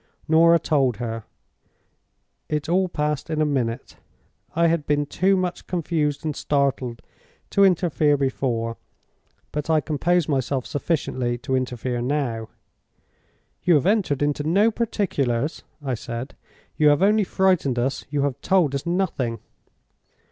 "Norah told her. It all passed in a minute. I had been too much confused and startled to interfere before, but I composed myself sufficiently to interfere now. "'You have entered into no particulars,' I said. 'You have only frightened us—you have told us nothing.